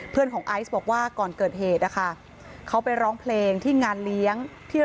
ของไอซ์บอกว่าก่อนเกิดเหตุนะคะเขาไปร้องเพลงที่งานเลี้ยงที่